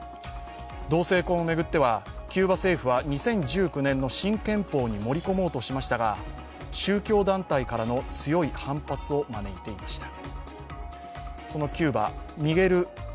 同性婚を巡っては、キューバ政府は２０１９年の新憲法に盛り込もうとしましたが、宗教団体からの強い反発を招いていました。